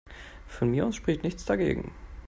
Von mir aus spricht nichts dagegen.